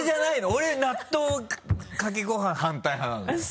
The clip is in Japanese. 俺納豆かけご飯反対派なのよ。